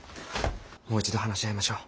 もう一度話し合いましょう。